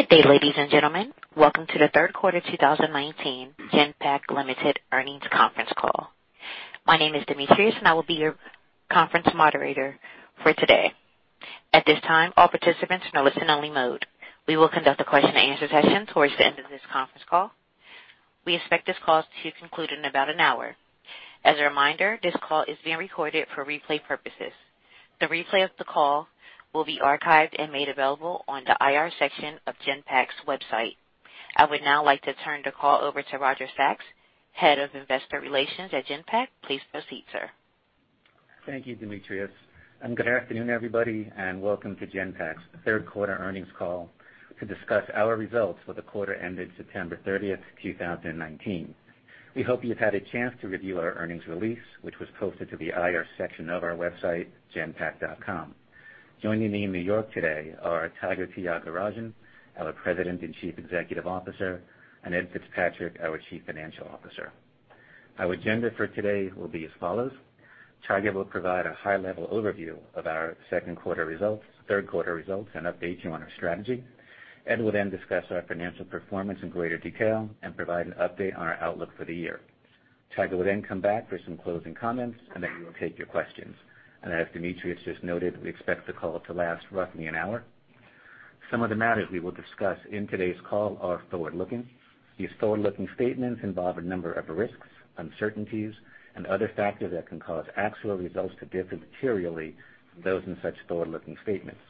Good day, ladies and gentlemen. Welcome to the third quarter 2019 Genpact Limited earnings conference call. My name is Demetrius, and I will be your conference moderator for today. At this time, all participants are in listen-only mode. We will conduct a question and answer session towards the end of this conference call. We expect this call to conclude in about an hour. As a reminder, this call is being recorded for replay purposes. The replay of the call will be archived and made available on the IR section of Genpact's website. I would now like to turn the call over to Roger Sachs, Head of Investor Relations at Genpact. Please proceed, sir. Thank you, Demetrius, and good afternoon, everybody, and welcome to Genpact's third quarter earnings call to discuss our results for the quarter ended September 30, 2019. We hope you've had a chance to review our earnings release, which was posted to the IR section of our website, genpact.com. Joining me in New York today are Tiger Tyagarajan, our President and Chief Executive Officer, and Ed Fitzpatrick, our Chief Financial Officer. Our agenda for today will be as follows. Tiger will provide a high-level overview of our third quarter results and update you on our strategy. Ed will then discuss our financial performance in greater detail and provide an update on our outlook for the year. Tiger will then come back for some closing comments, and then we will take our questions. As Demetrius just noted, we expect the call to last roughly an hour. Some of the matters we will discuss in today's call are forward-looking. These forward-looking statements involve a number of risks, uncertainties, and other factors that can cause actual results to differ materially from those in such forward-looking statements.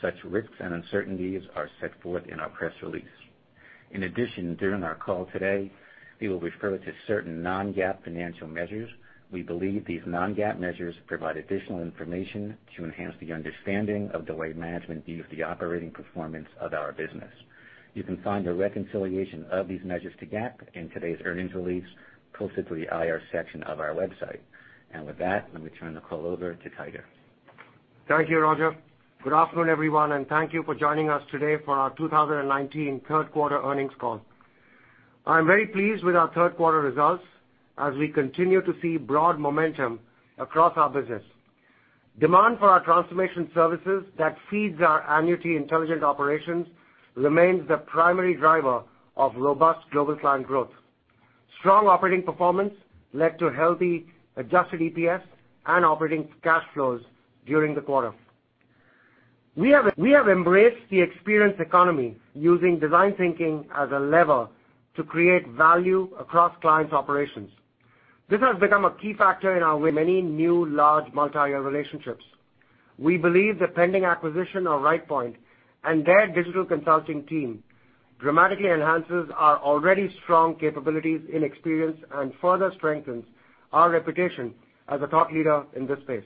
Such risks and uncertainties are set forth in our press release. In addition, during our call today, we will refer to certain non-GAAP financial measures. We believe these non-GAAP measures provide additional information to enhance the understanding of the way management views the operating performance of our business. You can find a reconciliation of these measures to GAAP in today's earnings release posted to the IR section of our website. With that, let me turn the call over to Tiger. Thank you, Roger. Good afternoon, everyone, and thank you for joining us today for our 2019 third quarter earnings call. I'm very pleased with our third quarter results as we continue to see broad momentum across our business. Demand for our transformation services that feeds our annuity intelligent operations remains the primary driver of robust Global Clients growth. Strong operating performance led to healthy adjusted EPS and operating cash flows during the quarter. We have embraced the experience economy using design thinking as a lever to create value across clients' operations. This has become a key factor in our many new large multi-year relationships. We believe the pending acquisition of Rightpoint and their digital consulting team dramatically enhances our already strong capabilities and experience and further strengthens our reputation as a top leader in this space.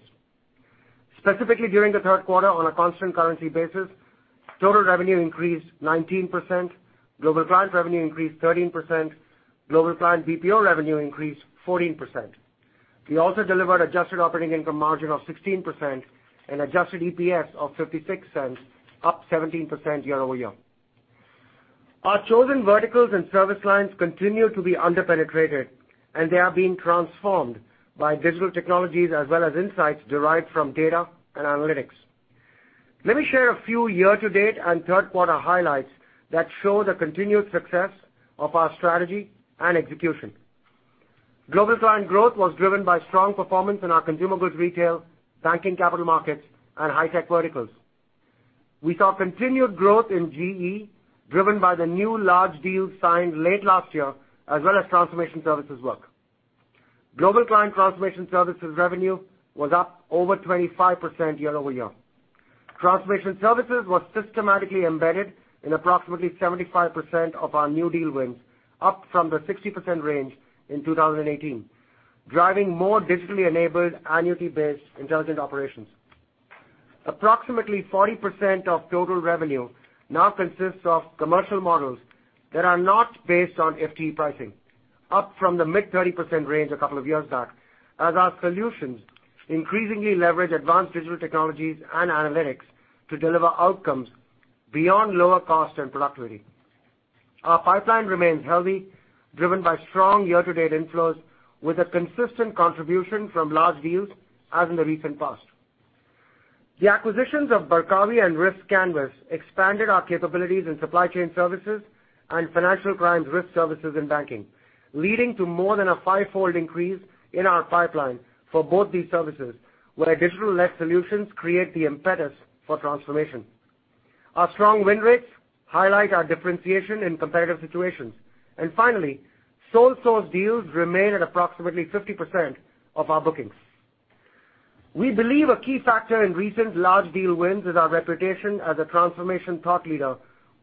Specifically, during the third quarter on a constant currency basis, total revenue increased 19%, Global Clients revenue increased 13%, Global Client BPO revenue increased 14%. We also delivered adjusted operating income margin of 16% and adjusted EPS of $0.56, up 17% year-over-year. Our chosen verticals and service lines continue to be under-penetrated, and they are being transformed by digital technologies as well as insights derived from data and analytics. Let me share a few year-to-date and third quarter highlights that show the continued success of our strategy and execution. Global Client growth was driven by strong performance in our consumables retail, banking capital markets, and hi-tech verticals. We saw continued growth in GE, driven by the new large deals signed late last year, as well as transformation services work. Global Client transformation services revenue was up over 25% year-over-year. Transformation services was systematically embedded in approximately 75% of our new deal wins, up from the 60% range in 2018, driving more digitally enabled, annuity-based intelligent operations. Approximately 40% of total revenue now consists of commercial models that are not based on FTE pricing, up from the mid-30% range a couple of years back, as our solutions increasingly leverage advanced digital technologies and analytics to deliver outcomes beyond lower cost and productivity. Our pipeline remains healthy, driven by strong year-to-date inflows with a consistent contribution from large deals as in the recent past. The acquisitions of Barkawi and riskCanvas expanded our capabilities in supply chain services and financial crimes risk services and banking, leading to more than a five-fold increase in our pipeline for both these services, where digital-led solutions create the impetus for transformation. Our strong win rates highlight our differentiation in competitive situations. Finally, sole source deals remain at approximately 50% of our bookings. We believe a key factor in recent large deal wins is our reputation as a transformation thought leader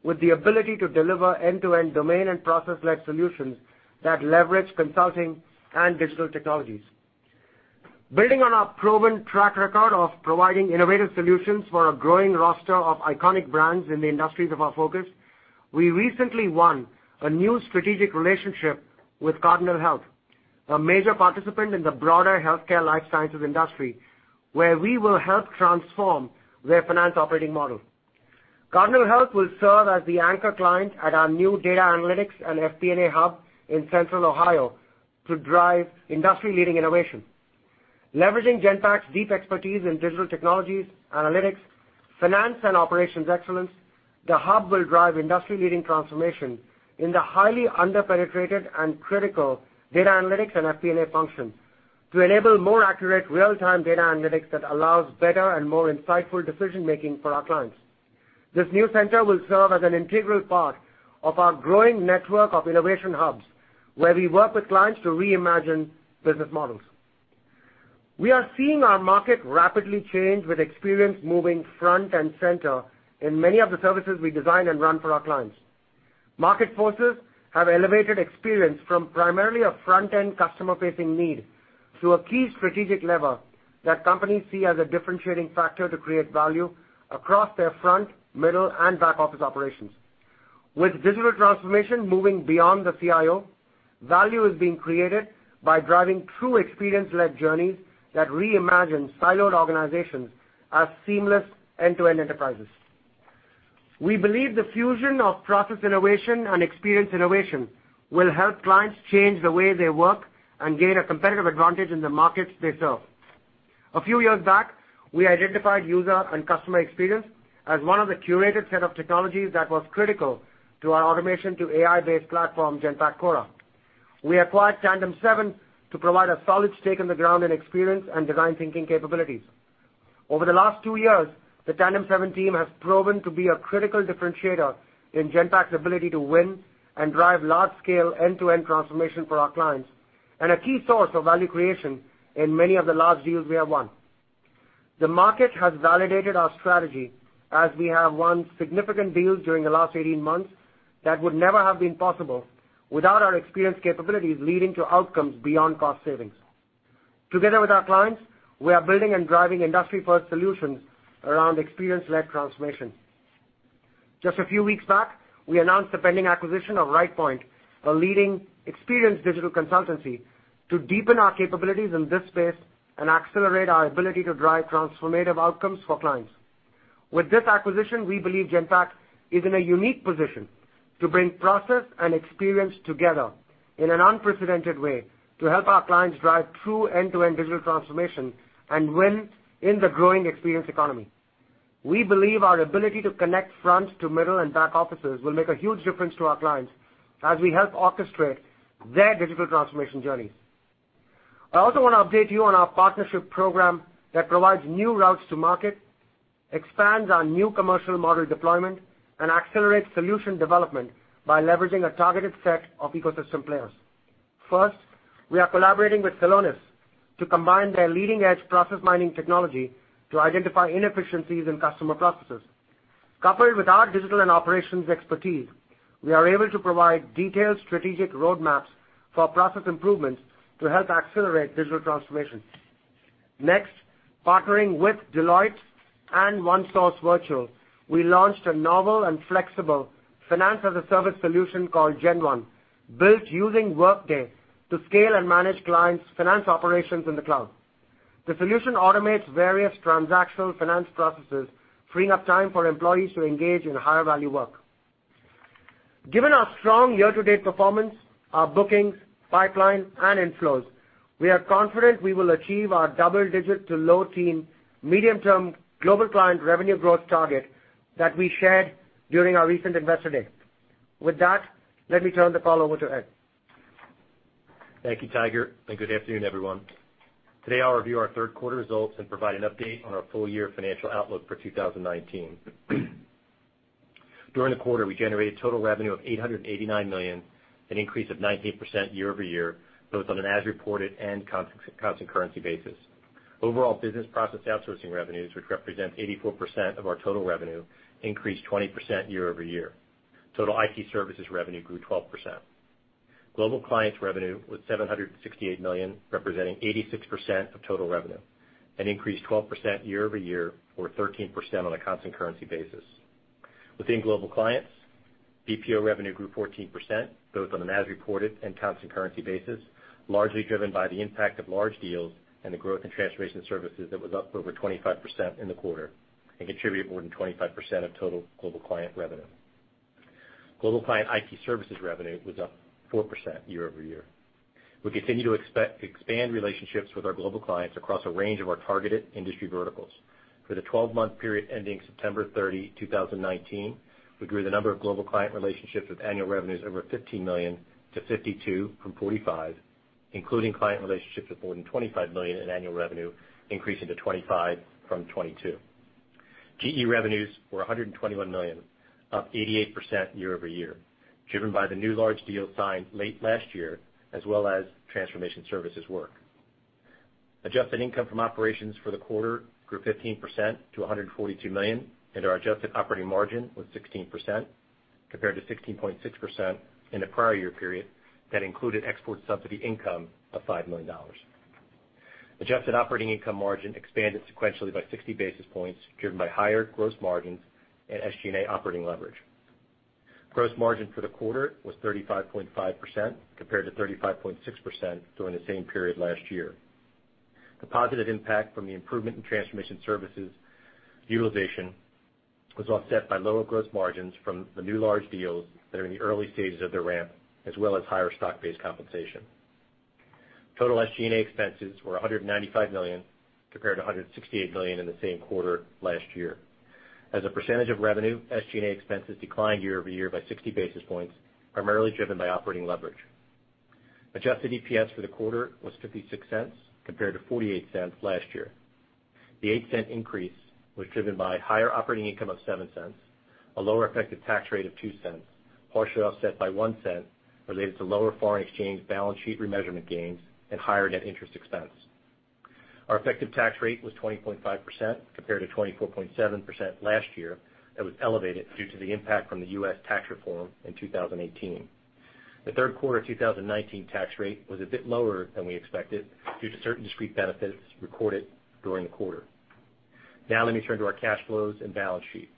with the ability to deliver end-to-end domain and process-led solutions that leverage consulting and digital technologies. Building on our proven track record of providing innovative solutions for a growing roster of iconic brands in the industries of our focus, we recently won a new strategic relationship with Cardinal Health, a major participant in the broader healthcare life sciences industry, where we will help transform their finance operating model. Cardinal Health will serve as the anchor client at our new data analytics and FP&A hub in Central Ohio to drive industry-leading innovation. Leveraging Genpact's deep expertise in digital technologies, analytics, finance, and operations excellence, the hub will drive industry-leading transformation in the highly under-penetrated and critical data analytics and FP&A function to enable more accurate real-time data analytics that allows better and more insightful decision-making for our clients. This new center will serve as an integral part of our growing network of innovation hubs, where we work with clients to reimagine business models. We are seeing our market rapidly change with experience moving front and center in many of the services we design and run for our clients. Market forces have elevated experience from primarily a front-end customer-facing need to a key strategic level that companies see as a differentiating factor to create value across their front, middle, and back-office operations. With digital transformation moving beyond the CIO, value is being created by driving true experience-led journeys that reimagine siloed organizations as seamless end-to-end enterprises. We believe the fusion of process innovation and experience innovation will help clients change the way they work and gain a competitive advantage in the markets they serve. A few years back, we identified user and customer experience as one of the curated set of technologies that was critical to our automation to AI-based platform, Genpact Cora. We acquired TandemSeven to provide a solid stake in the ground in experience and design thinking capabilities. Over the last two years, the TandemSeven team has proven to be a critical differentiator in Genpact's ability to win and drive large-scale end-to-end transformation for our clients and a key source of value creation in many of the large deals we have won. The market has validated our strategy as we have won significant deals during the last 18 months that would never have been possible without our experience capabilities leading to outcomes beyond cost savings. Together with our clients, we are building and driving industry-first solutions around experience-led transformation. Just a few weeks back, we announced the pending acquisition of Rightpoint, a leading experience digital consultancy, to deepen our capabilities in this space and accelerate our ability to drive transformative outcomes for clients. With this acquisition, we believe Genpact is in a unique position to bring process and experience together in an unprecedented way to help our clients drive true end-to-end digital transformation and win in the growing experience economy. We believe our ability to connect front to middle and back offices will make a huge difference to our clients as we help orchestrate their digital transformation journeys. I also want to update you on our partnership program that provides new routes to market, expands our new commercial model deployment, and accelerates solution development by leveraging a targeted set of ecosystem players. First, we are collaborating with Celonis to combine their leading-edge process mining technology to identify inefficiencies in customer processes. Coupled with our digital and operations expertise, we are able to provide detailed strategic roadmaps for process improvements to help accelerate digital transformation. Next, partnering with Deloitte and OneSource Virtual, we launched a novel and flexible finance-as-a-service solution called GenOne, built using Workday to scale and manage clients' finance operations in the cloud. The solution automates various transactional finance processes, freeing up time for employees to engage in higher-value work. Given our strong year-to-date performance, our bookings, pipeline, and inflows, we are confident we will achieve our double-digit to low-teen medium-term Global Client revenue growth target that we shared during our recent Investor Day. With that, let me turn the call over to Ed. Thank you, Tiger. Good afternoon, everyone. Today, I'll review our third quarter results and provide an update on our full-year financial outlook for 2019. During the quarter, we generated total revenue of $889 million, an increase of 19% year-over-year, both on an as-reported and constant currency basis. Overall business process outsourcing revenues, which represent 84% of our total revenue, increased 20% year-over-year. Total IT services revenue grew 12%. Global Clients revenue was $768 million, representing 86% of total revenue, an increase 12% year-over-year or 13% on a constant currency basis. Within Global Clients, BPO revenue grew 14%, both on an as-reported and constant currency basis, largely driven by the impact of large deals and the growth in transformation services that was up over 25% in the quarter and contributed more than 25% of total Global Client revenue. Global Clients IT services revenue was up 4% year-over-year. We continue to expand relationships with our Global Clients across a range of our targeted industry verticals. For the 12-month period ending September 30, 2019, we grew the number of Global Client relationships with annual revenues over $15 million to 52 from 45, including client relationships of more than $25 million in annual revenue, increasing to 25 from 22. GE revenues were $121 million, up 88% year-over-year, driven by the new large deal signed late last year, as well as transformation services work. Adjusted income from operations for the quarter grew 15% to $142 million, and our adjusted operating margin was 16%, compared to 16.6% in the prior year period that included export subsidy income of $5 million. Adjusted operating income margin expanded sequentially by 60 basis points, driven by higher gross margins and SG&A operating leverage. Gross margin for the quarter was 35.5%, compared to 35.6% during the same period last year. The positive impact from the improvement in transformation services utilization was offset by lower gross margins from the new large deals that are in the early stages of their ramp, as well as higher stock-based compensation. Total SG&A expenses were $195 million, compared to $168 million in the same quarter last year. As a percentage of revenue, SG&A expenses declined year-over-year by 60 basis points, primarily driven by operating leverage. Adjusted EPS for the quarter was $0.56 compared to $0.48 last year. The $0.08 increase was driven by higher operating income of $0.07, a lower effective tax rate of $0.02, partially offset by $0.01 related to lower foreign exchange balance sheet remeasurement gains and higher net interest expense. Our effective tax rate was 20.5% compared to 24.7% last year. That was elevated due to the impact from the U.S. tax reform in 2018. The third quarter 2019 tax rate was a bit lower than we expected due to certain discrete benefits recorded during the quarter. Let me turn to our cash flows and balance sheet.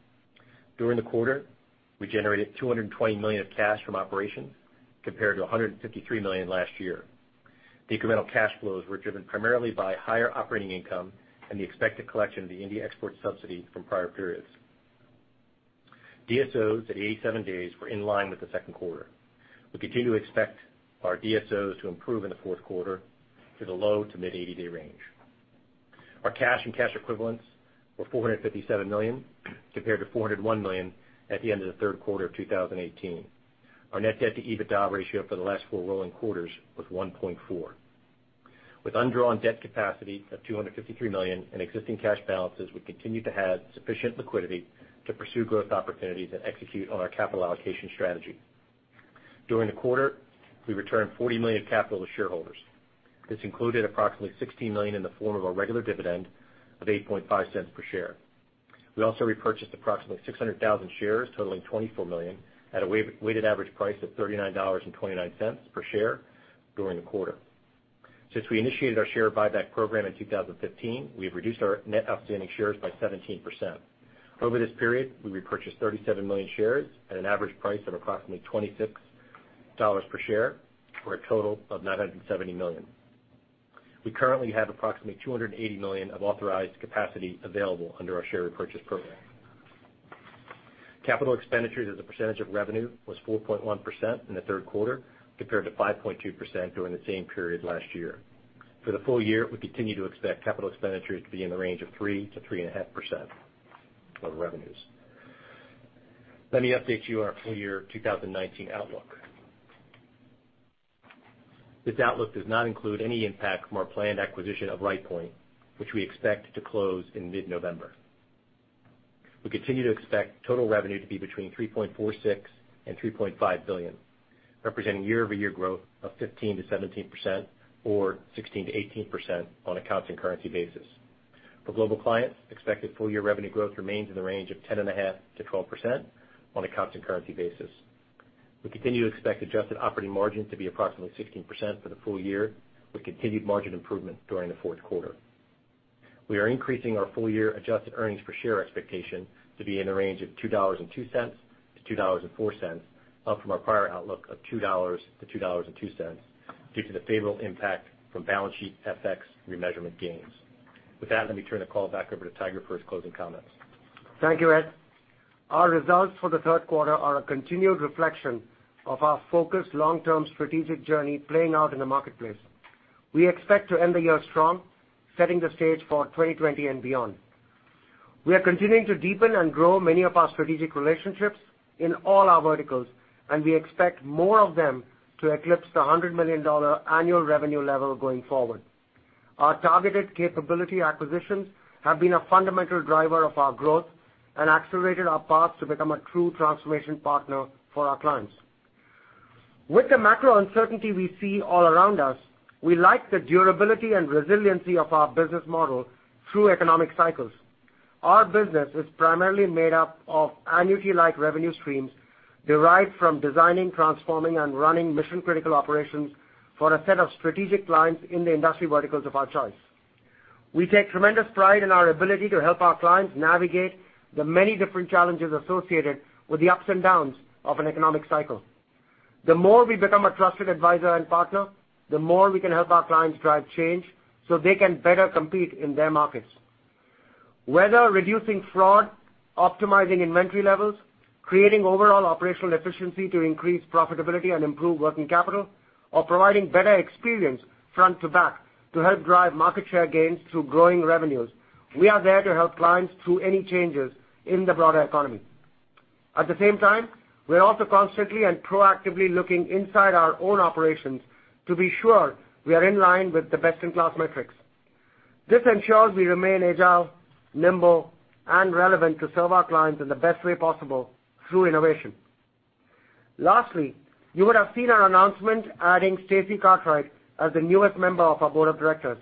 During the quarter, we generated $220 million of cash from operations compared to $153 million last year. The incremental cash flows were driven primarily by higher operating income and the expected collection of the India export subsidy from prior periods. DSOs at 87 days were in line with the second quarter. We continue to expect our DSOs to improve in the fourth quarter to the low to mid 80-day range. Our cash and cash equivalents were $457 million compared to $401 million at the end of the third quarter of 2018. Our net debt to EBITDA ratio for the last four rolling quarters was 1.4. With undrawn debt capacity of $253 million in existing cash balances, we continue to have sufficient liquidity to pursue growth opportunities and execute on our capital allocation strategy. During the quarter, we returned $40 million of capital to shareholders. This included approximately $16 million in the form of a regular dividend of $0.085 per share. We also repurchased approximately 600,000 shares, totaling $24 million, at a weighted average price of $39.29 per share during the quarter. Since we initiated our share buyback program in 2015, we have reduced our net outstanding shares by 17%. Over this period, we repurchased 37 million shares at an average price of approximately $26 per share, for a total of $970 million. We currently have approximately $280 million of authorized capacity available under our share repurchase program. Capital expenditures as a percentage of revenue was 4.1% in the third quarter, compared to 5.2% during the same period last year. For the full year, we continue to expect capital expenditures to be in the range of 3%-3.5% of revenues. Let me update you on our full year 2019 outlook. This outlook does not include any impact from our planned acquisition of Rightpoint, which we expect to close in mid-November. We continue to expect total revenue to be between $3.46 billion and $3.5 billion, representing year-over-year growth of 15%-17%, or 16%-18% on a constant currency basis. For Global Business Services, expected full year revenue growth remains in the range of 10.5%-12% on a constant currency basis. We continue to expect adjusted operating margin to be approximately 16% for the full year, with continued margin improvement during the fourth quarter. We are increasing our full year adjusted earnings per share expectation to be in the range of $2.02-$2.04, up from our prior outlook of $2-$2.02, due to the favorable impact from balance sheet FX remeasurement gains. With that, let me turn the call back over to Tiger for his closing comments. Thank you, Ed. Our results for the third quarter are a continued reflection of our focused, long-term strategic journey playing out in the marketplace. We expect to end the year strong, setting the stage for 2020 and beyond. We are continuing to deepen and grow many of our strategic relationships in all our verticals. We expect more of them to eclipse the $100 million annual revenue level going forward. Our targeted capability acquisitions have been a fundamental driver of our growth and accelerated our path to become a true transformation partner for our clients. With the macro uncertainty we see all around us, we like the durability and resiliency of our business model through economic cycles. Our business is primarily made up of annuity-like revenue streams derived from designing, transforming, and running mission-critical operations for a set of strategic clients in the industry verticals of our choice. We take tremendous pride in our ability to help our clients navigate the many different challenges associated with the ups and downs of an economic cycle. The more we become a trusted advisor and partner, the more we can help our clients drive change so they can better compete in their markets. Whether reducing fraud, optimizing inventory levels, creating overall operational efficiency to increase profitability and improve working capital, or providing better experience front to back to help drive market share gains through growing revenues, we are there to help clients through any changes in the broader economy. At the same time, we are also constantly and proactively looking inside our own operations to be sure we are in line with the best-in-class metrics. This ensures we remain agile, nimble, and relevant to serve our clients in the best way possible through innovation. Lastly, you would have seen our announcement adding Stacey Cartwright as the newest member of our board of directors.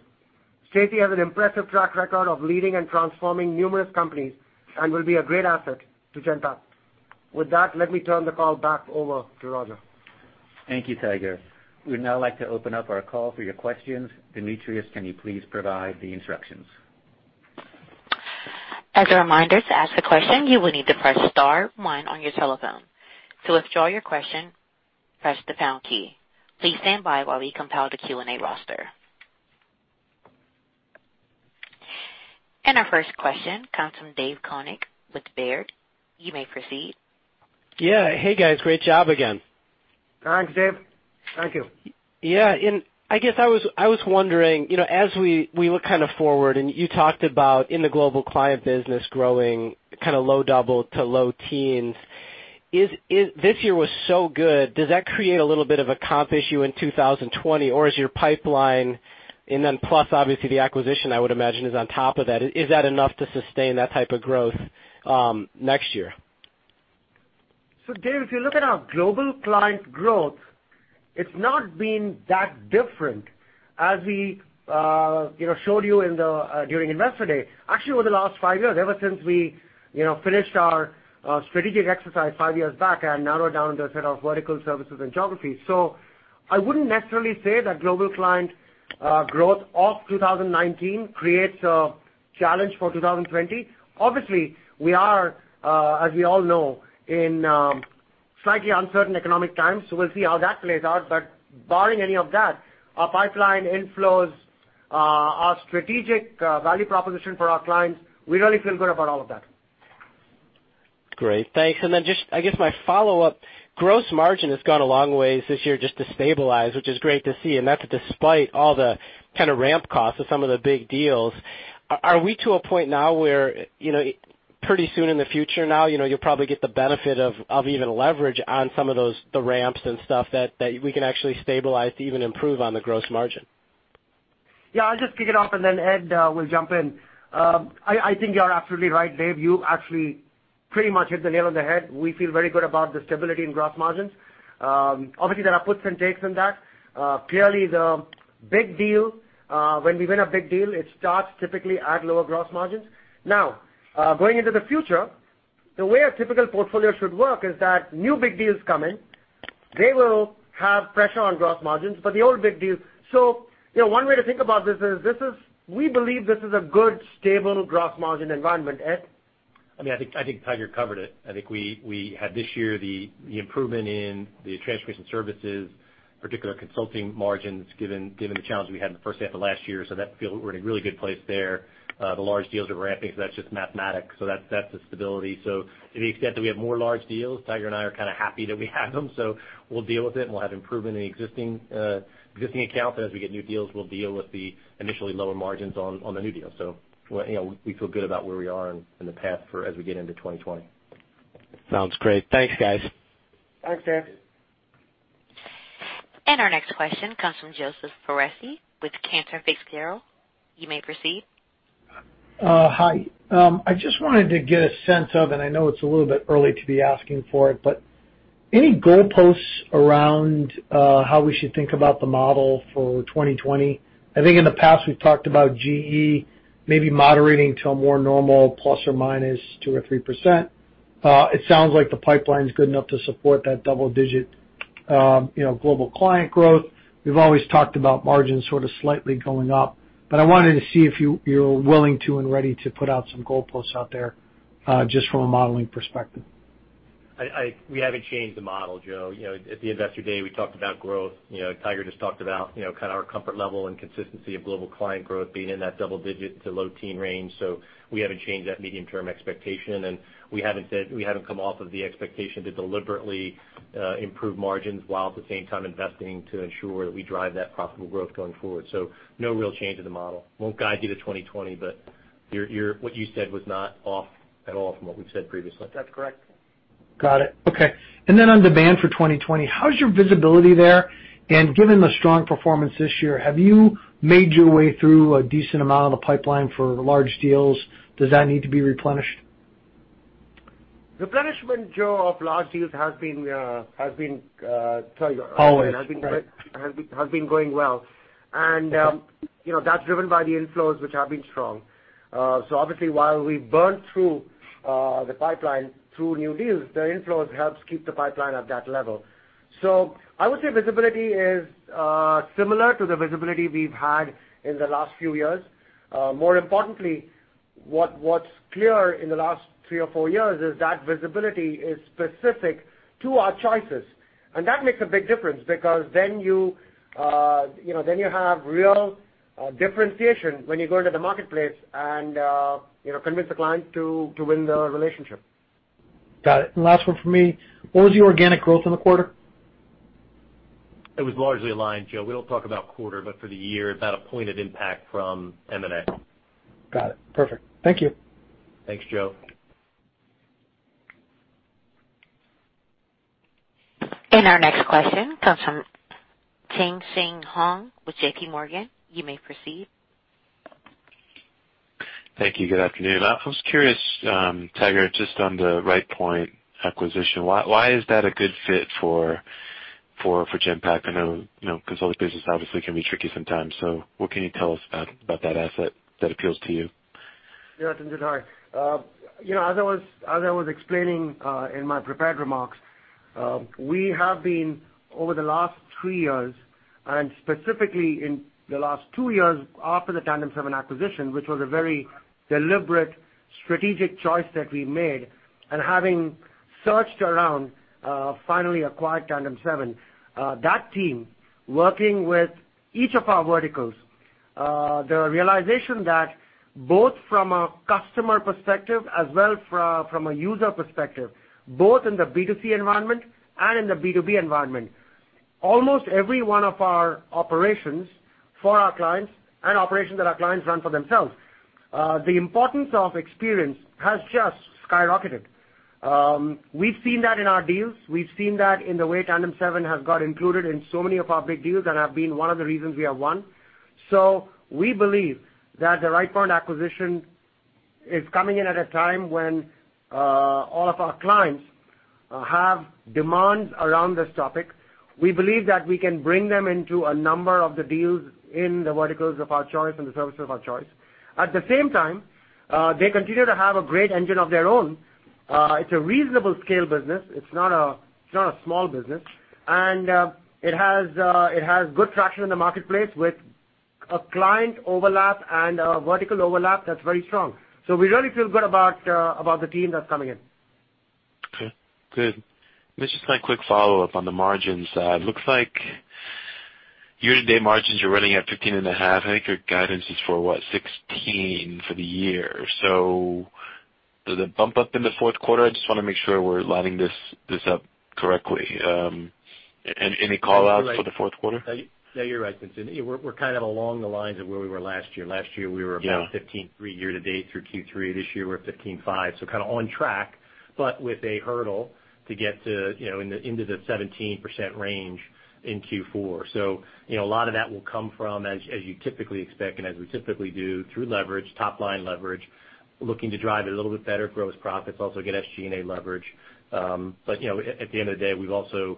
Stacey has an impressive track record of leading and transforming numerous companies and will be a great asset to Genpact. With that, let me turn the call back over to Roger. Thank you, Tiger. We'd now like to open up our call for your questions. Demetrius, can you please provide the instructions? As a reminder, to ask a question, you will need to press star one on your telephone. To withdraw your question, press the pound key. Please stand by while we compile the Q&A roster. Our first question comes from David Koning with Baird. You may proceed. Yeah. Hey, guys. Great job again. Thanks, David. Thank you. I guess I was wondering, as we look kind of forward, and you talked about in the Global Clients business growing kind of low double to low teens. This year was so good, does that create a little bit of a comp issue in 2020, or is your pipeline, and then plus obviously the acquisition I would imagine is on top of that, is that enough to sustain that type of growth next year? David, if you look at our Global Clients growth, it's not been that different as we showed you during Investor Day, actually, over the last five years, ever since we finished our strategic exercise five years back and narrowed down to a set of vertical services and geographies. I wouldn't necessarily say that Global Clients growth of 2019 creates a challenge for 2020. Obviously, we are, as we all know, in slightly uncertain economic times, so we'll see how that plays out. Barring any of that, our pipeline inflows, our strategic value proposition for our clients, we really feel good about all of that. Great. Thanks. Just, I guess my follow-up, gross margin has gone a long way this year just to stabilize, which is great to see, and that's despite all the kind of ramp costs of some of the big deals. Are we to a point now where, pretty soon in the future now, you'll probably get the benefit of even leverage on some of the ramps and stuff that we can actually stabilize to even improve on the gross margin? Yeah, I'll just kick it off, and then Ed will jump in. I think you're absolutely right, David. You actually pretty much hit the nail on the head. We feel very good about the stability in gross margins. Obviously, there are puts and takes in that. Clearly, the big deal, when we win a big deal, it starts typically at lower gross margins. Going into the future, the way a typical portfolio should work is that new big deals come in, they will have pressure on gross margins. One way to think about this is, we believe this is a good, stable gross margin environment. Ed? I mean, I think Tiger covered it. I think we had this year the improvement in the transformation services, particular consulting margins, given the challenge we had in the first half of last year, so that feel we're in a really good place there. The large deals are ramping, that's just mathematics. That's the stability. To the extent that we have more large deals, Tiger and I are kind of happy that we have them, so we'll deal with it, and we'll have improvement in the existing accounts. As we get new deals, we'll deal with the initially lower margins on the new deals. We feel good about where we are in the path for as we get into 2020. Sounds great. Thanks, guys. Thanks, David. Our next question comes from Joseph Foresi with Cantor Fitzgerald. You may proceed. Hi. I just wanted to get a sense of, and I know it's a little bit early to be asking for it, but any goalposts around how we should think about the model for 2020? I think in the past we've talked about GE maybe moderating to a more normal ±2% or 3%. It sounds like the pipeline's good enough to support that double-digit Global Client growth. We've always talked about margins sort of slightly going up, but I wanted to see if you're willing to and ready to put out some goalposts out there, just from a modeling perspective. We haven't changed the model, Joe. At the Investor Day, we talked about growth. Tiger just talked about kind of our comfort level and consistency of Global Clients growth being in that double-digit to low-teen range. We haven't changed that medium-term expectation, and we haven't come off of the expectation to deliberately improve margins while at the same time investing to ensure that we drive that profitable growth going forward. No real change in the model. Won't guide you to 2020, but what you said was not off at all from what we've said previously. That's correct. Got it. Okay. On demand for 2020, how's your visibility there? Given the strong performance this year, have you made your way through a decent amount of the pipeline for large deals? Does that need to be replenished? Replenishment, Joe, of large deals has been- Always has been going well. That's driven by the inflows which have been strong. Obviously while we burn through the pipeline through new deals, the inflows helps keep the pipeline at that level. I would say visibility is similar to the visibility we've had in the last few years. More importantly, what's clear in the last three or four years is that visibility is specific to our choices. That makes a big difference because then you have real differentiation when you go into the marketplace and convince the client to win the relationship. Got it. Last one from me, what was your organic growth in the quarter? It was largely aligned, Joe. We don't talk about quarter, but for the year, about a point of impact from M&A. Got it. Perfect. Thank you. Thanks, Joe. Our next question comes from Tien-Tsin Huang with J.P. Morgan. You may proceed. Thank you. Good afternoon. I was curious, Tiger, just on the Rightpoint acquisition, why is that a good fit for Genpact? I know consulting business obviously can be tricky sometimes. What can you tell us about that asset that appeals to you? Yeah. As I was explaining in my prepared remarks, we have been, over the last three years, and specifically in the last two years after the TandemSeven acquisition, which was a very deliberate strategic choice that we made, and having searched around, finally acquired TandemSeven. That team, working with each of our verticals, the realization that both from a customer perspective as well from a user perspective, both in the B2C environment and in the B2B environment, almost every one of our operations for our clients and operations that our clients run for themselves, the importance of experience has just skyrocketed. We've seen that in our deals. We've seen that in the way TandemSeven has got included in so many of our big deals and have been one of the reasons we have won. We believe that the Rightpoint acquisition is coming in at a time when all of our clients have demands around this topic. We believe that we can bring them into a number of the deals in the verticals of our choice and the services of our choice. At the same time, they continue to have a great engine of their own. It's a reasonable scale business. It's not a small business. It has good traction in the marketplace with a client overlap and a vertical overlap that's very strong. We really feel good about the team that's coming in. Okay, good. This is my quick follow-up on the margin side. Looks like year-to-date margins are running at 15.5%. I think your guidance is for what, 16% for the year. Does it bump up in the 4th quarter? I just want to make sure we're lining this up correctly. Any call-outs for the 4th quarter? No, you're right, Tien-Tsin. We're kind of along the lines of where we were last year. Last year, we were about 15.3 year to date through Q3. This year, we're at 15.5, kind of on track, but with a hurdle to get into the 17% range in Q4. A lot of that will come from, as you typically expect and as we typically do, through leverage, top line leverage, looking to drive it a little bit better, gross profits, also get SG&A leverage. At the end of the day, we've also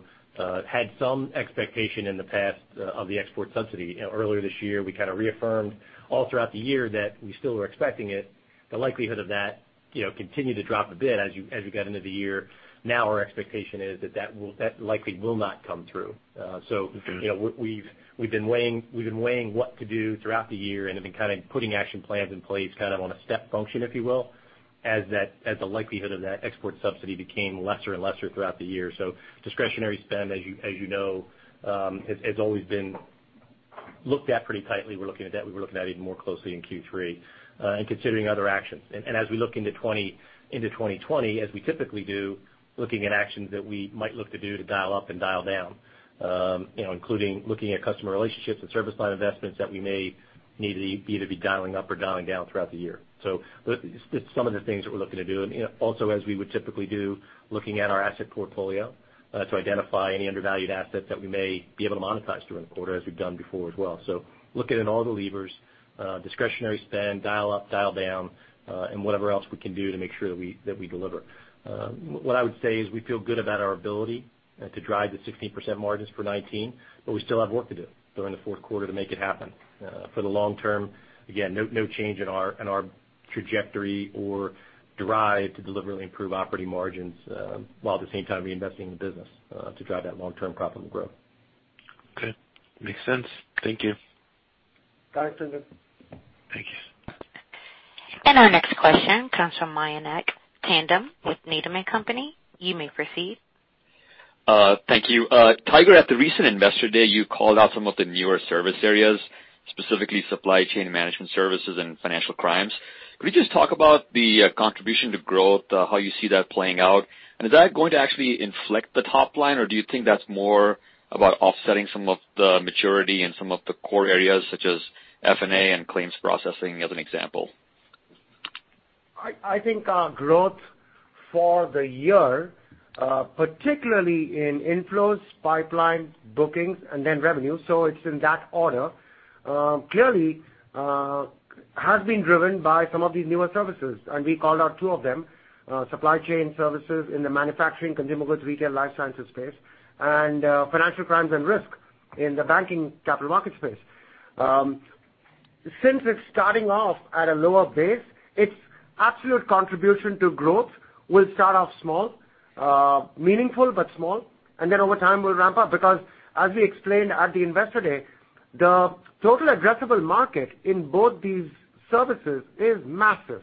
had some expectation in the past of the export subsidy. Earlier this year, we kind of reaffirmed all throughout the year that we still were expecting it. The likelihood of that continued to drop a bit as we got into the year. Now, our expectation is that will likely not come through. We've been weighing what to do throughout the year and have been kind of putting action plans in place kind of on a step function, if you will, as the likelihood of that export subsidy became lesser and lesser throughout the year. Discretionary spend, as you know, has always been looked at pretty tightly. We're looking at debt. We were looking at it even more closely in Q3 and considering other actions. As we look into 2020, as we typically do, looking at actions that we might look to do to dial up and dial down, including looking at customer relationships and service line investments that we may need either to be dialing up or dialing down throughout the year. Just some of the things that we're looking to do. Also, as we would typically do, looking at our asset portfolio to identify any undervalued assets that we may be able to monetize during the quarter as we've done before as well. Looking at all the levers, discretionary spend, dial up, dial down, and whatever else we can do to make sure that we deliver. What I would say is we feel good about our ability to drive the 16% margins for 2019, but we still have work to do during the fourth quarter to make it happen. For the long term, again, no change in our trajectory or drive to deliberately improve operating margins, while at the same time reinvesting in the business to drive that long-term profitable growth. Okay. Makes sense. Thank you. Thanks, Tien-Tsin. Thank you. Our next question comes from Mayank Tandon with Needham & Company. You may proceed. Thank you. Tiger, at the recent Investor Day, you called out some of the newer service areas, specifically supply chain management services and financial crimes. Could we just talk about the contribution to growth, how you see that playing out? Is that going to actually inflict the top line, or do you think that's more about offsetting some of the maturity in some of the core areas such as F&A and claims processing, as an example? I think our growth for the year, particularly in inflows, pipeline, bookings, and then revenue, so it's in that order, clearly has been driven by some of these newer services, and we called out two of them, supply chain services in the manufacturing, consumable goods, retail, life sciences space, and financial crimes and risk in the banking capital market space. Since it's starting off at a lower base, its absolute contribution to growth will start off small, meaningful but small, and then over time will ramp up. Because as we explained at the Investor Day, the total addressable market in both these services is massive.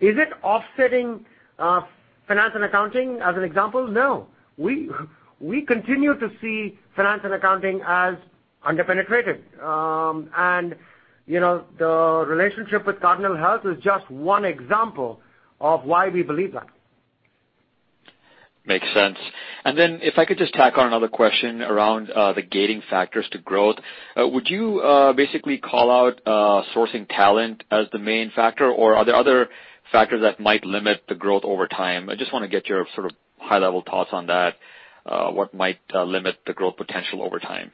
Is it offsetting Finance and Accounting as an example? No. We continue to see Finance and Accounting as under-penetrated. The relationship with Cardinal Health is just one example of why we believe that. Makes sense. If I could just tack on another question around the gating factors to growth. Would you basically call out sourcing talent as the main factor, or are there other factors that might limit the growth over time? I just want to get your sort of high-level thoughts on that. What might limit the growth potential over time?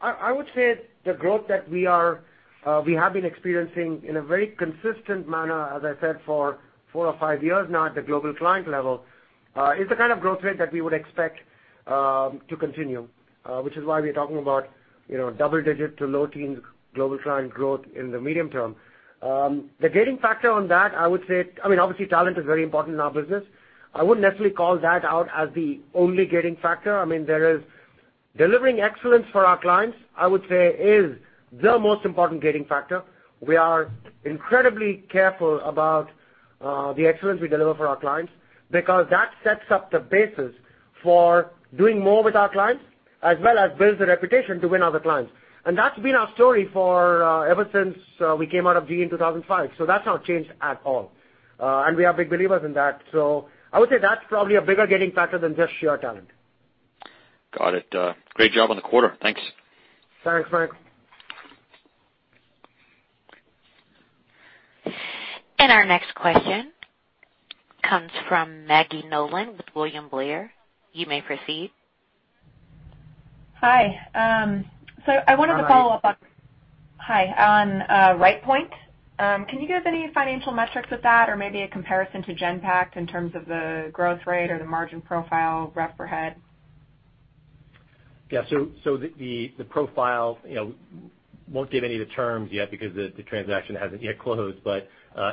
I would say the growth that we have been experiencing in a very consistent manner, as I said, for four or five years now at the Global Clients level, is the kind of growth rate that we would expect to continue, which is why we're talking about double-digit to low-teens Global Clients growth in the medium term. The gating factor on that, I would say. Obviously talent is very important in our business. I wouldn't necessarily call that out as the only gating factor. Delivering excellence for our clients, I would say, is the most important gating factor. We are incredibly careful about the excellence we deliver for our clients, because that sets up the basis for doing more with our clients, as well as builds the reputation to win other clients. That's been our story ever since we came out of GE in 2005. That's not changed at all. We are big believers in that. I would say that's probably a bigger gating factor than just sheer talent. Got it. Great job on the quarter. Thanks. Thanks, Mayank. Our next question comes from Maggie Nolan with William Blair. You may proceed. Hi. Hi. Hi. On RightPoint, can you give any financial metrics with that or maybe a comparison to Genpact in terms of the growth rate or the margin profile rep per head? The profile, won't give any of the terms yet because the transaction hasn't yet closed.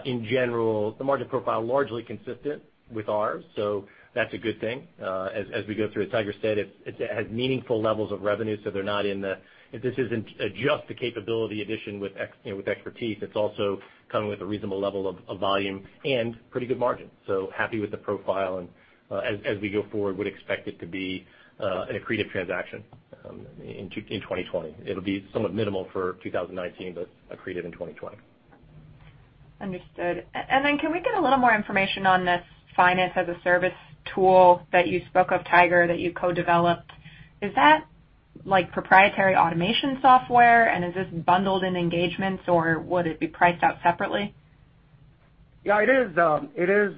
In general, the margin profile largely consistent with ours. That's a good thing. As we go through, as Tiger said, it has meaningful levels of revenue, so this isn't just a capability addition with expertise, it's also coming with a reasonable level of volume and pretty good margin. Happy with the profile and as we go forward, would expect it to be an accretive transaction in 2020. It'll be somewhat minimal for 2019, but accretive in 2020. Understood. Can we get a little more information on this finance-as-a-service tool that you spoke of, Tiger, that you co-developed? Is that proprietary automation software, and is this bundled in engagements, or would it be priced out separately? Yeah, it is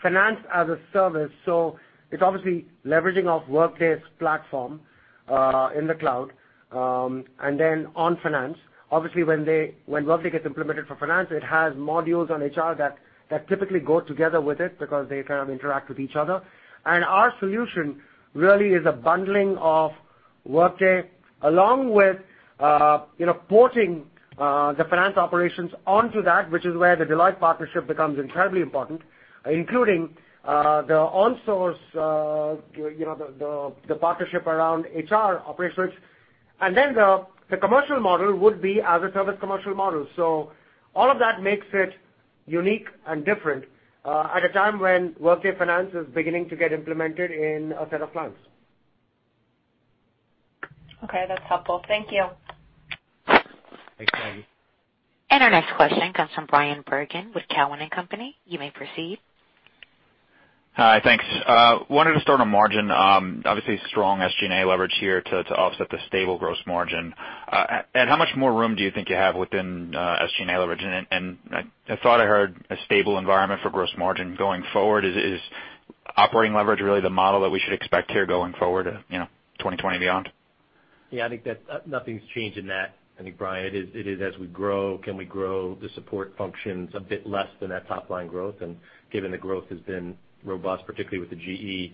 finance-as-a-service, so it's obviously leveraging off Workday's platform in the cloud, and then on finance. Obviously, when Workday gets implemented for finance, it has modules on HR that typically go together with it because they kind of interact with each other. Our solution really is a bundling of Workday along with porting the finance operations onto that, which is where the Deloitte partnership becomes incredibly important, including the OneSource Virtual, the partnership around HR operations. The commercial model would be as a service commercial model. All of that makes it unique and different at a time when Workday finance is beginning to get implemented in a set of clients. Okay, that's helpful. Thank you. Thanks, Maggie. Our next question comes from Bryan Bergin with Cowen and Company. You may proceed. Hi, thanks. Wanted to start on margin. Obviously strong SG&A leverage here to offset the stable gross margin. Ed, how much more room do you think you have within SG&A leverage? I thought I heard a stable environment for gross margin going forward. Is operating leverage really the model that we should expect here going forward, 2020 and beyond? Yeah, I think nothing's changed in that. I think Bryan, it is as we grow, can we grow the support functions a bit less than that top-line growth, given the growth has been robust, particularly with the GE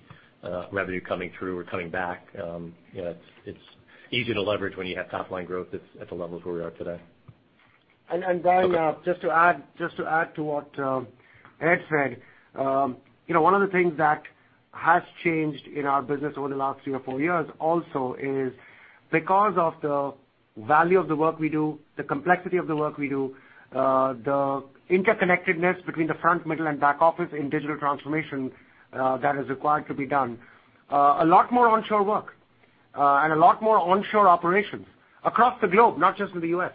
revenue coming through or coming back, it's easy to leverage when you have top-line growth at the levels where we are today. Bryan, just to add to what Ed said, one of the things that has changed in our business over the last three or four years also is because of the value of the work we do, the complexity of the work we do, the interconnectedness between the front, middle, and back office in digital transformation that is required to be done, a lot more onshore work, and a lot more onshore operations across the globe, not just in the U.S.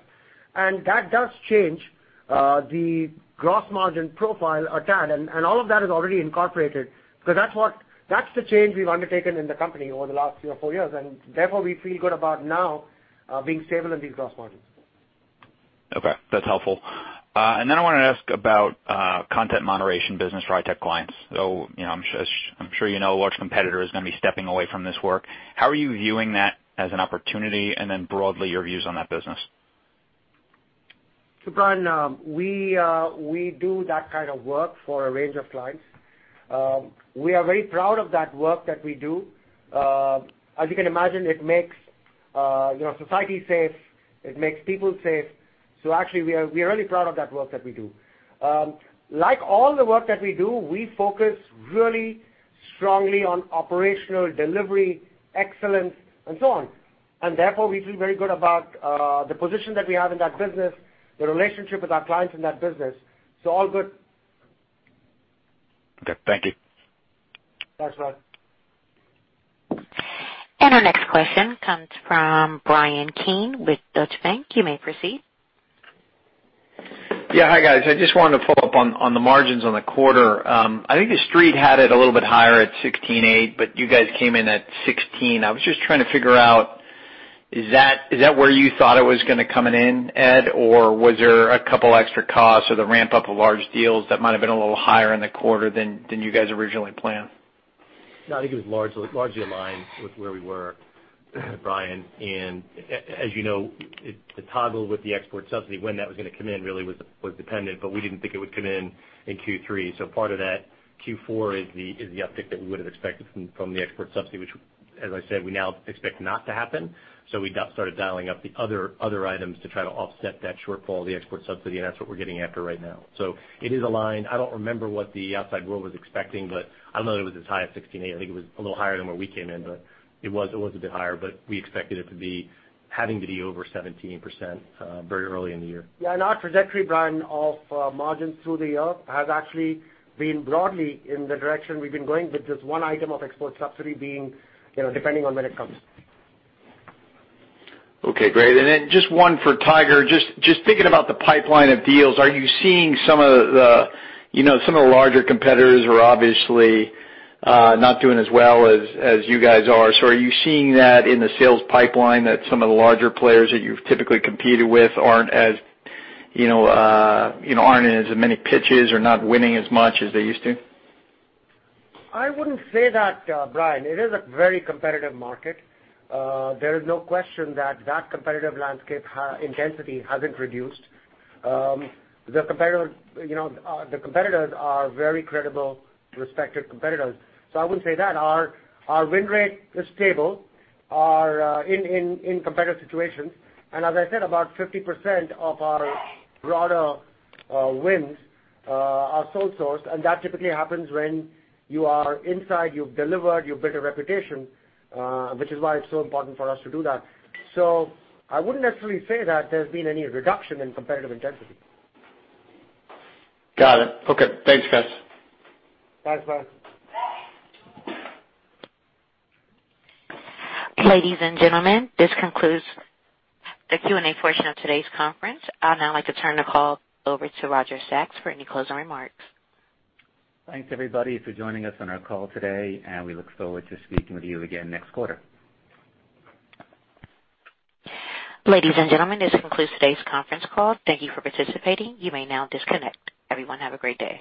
That does change the gross margin profile a tad, and all of that is already incorporated because that's the change we've undertaken in the company over the last three or four years, and therefore we feel good about now being stable in these gross margins. Okay, that's helpful. I want to ask about content moderation business for hi-tech clients. I'm sure you know a large competitor is going to be stepping away from this work. How are you viewing that as an opportunity, and then broadly, your views on that business? Bryan, we do that kind of work for a range of clients. We are very proud of that work that we do. As you can imagine, it makes society safe. It makes people safe. Actually, we are really proud of that work that we do. Like all the work that we do, we focus really strongly on operational delivery excellence and so on. Therefore, we feel very good about the position that we have in that business, the relationship with our clients in that business. All good. Okay. Thank you. Thanks, Bryan. Our next question comes from Bryan Keane with Deutsche Bank. You may proceed. Yeah. Hi, guys. I just wanted to follow up on the margins on the quarter. I think the Street had it a little bit higher at 16.8%. You guys came in at 16%. I was just trying to figure out, is that where you thought it was going to coming in, Ed? Was there a couple extra costs or the ramp-up of large deals that might have been a little higher in the quarter than you guys originally planned? No, I think it was largely aligned with where we were, Bryan. As you know, the toggle with the export subsidy, when that was going to come in really was dependent, but we didn't think it would come in in Q3. Part of that Q4 is the uptick that we would have expected from the export subsidy, which As I said, we now expect not to happen. We started dialing up the other items to try to offset that shortfall, the export subsidy, and that's what we're getting after right now. It is aligned. I don't remember what the outside world was expecting, but I don't know that it was as high as 16.8. I think it was a little higher than where we came in, but it was a bit higher, but we expected it to be having to be over 17% very early in the year. Yeah. Our trajectory, Bryan, of margins through the year has actually been broadly in the direction we've been going with this one item of export subsidy being, depending on when it comes. Okay, great. Just one for Tiger, just thinking about the pipeline of deals, are you seeing some of the larger competitors who are obviously not doing as well as you guys are. Are you seeing that in the sales pipeline that some of the larger players that you've typically competed with aren't in as many pitches or not winning as much as they used to? I wouldn't say that, Bryan. It is a very competitive market. There is no question that that competitive landscape intensity hasn't reduced. The competitors are very credible, respected competitors. I wouldn't say that. Our win rate is stable in competitive situations. As I said, about 50% of our broader wins are sole sourced, and that typically happens when you are inside, you've delivered, you've built a reputation, which is why it's so important for us to do that. I wouldn't necessarily say that there's been any reduction in competitive intensity. Got it. Okay. Thanks, guys. Thanks, Bryan. Ladies and gentlemen, this concludes the Q&A portion of today's conference. I'd now like to turn the call over to Roger Sachs for any closing remarks. Thanks everybody for joining us on our call today, and we look forward to speaking with you again next quarter. Ladies and gentlemen, this concludes today's conference call. Thank you for participating. You may now disconnect. Everyone have a great day.